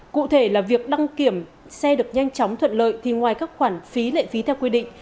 cụ thể là việc đăng kiểm xe được nhanh chóng thuận lợi thì ngoài các khoản phí lệ phí theo quy định